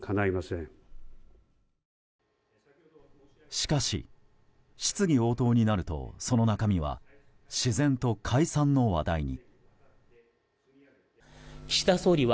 しかし、質疑応答になるとその中身は自然と解散の話題に。